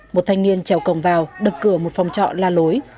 một thanh niên trèo vào đập cửa một phòng trọ la lối